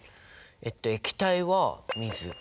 えっと液体は水。